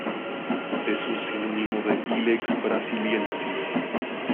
Es un sinónimo de "Ilex brasiliensis"